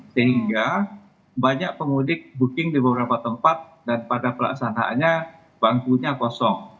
sehingga banyak pemudik booking di beberapa tempat dan pada pelaksanaannya bangkunya kosong